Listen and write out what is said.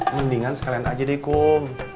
mendingan sekalian aja deh kok